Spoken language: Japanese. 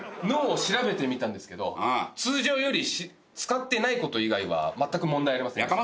脳を調べてみたんですけど通常より使ってないこと以外はまったく問題ありません。